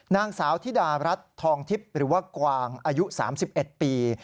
นางสาวธิดารัฐทองทิพย์หรือว่ากวางอายุ๓๑ปี